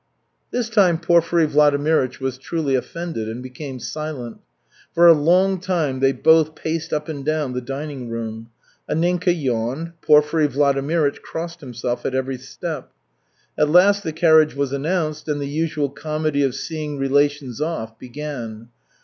This time Porfiry Vladimirych was truly offended and became silent. For a long time they both paced up and down the dining room. Anninka yawned, Porfiry Vladimirych crossed himself at every step. At last the carriage was announced and the usual comedy of seeing relations off began.